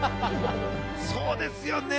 そうですよね。